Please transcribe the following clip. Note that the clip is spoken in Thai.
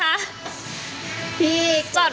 และนัดพัดกด